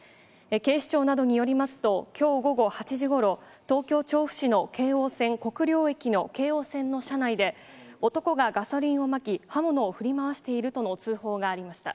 警視庁などによりますと、きょう午後８時ごろ、東京・調布市の京王線国領駅の京王線の車内で、男がガソリンをまき、刃物を振り回しているとの通報がありました。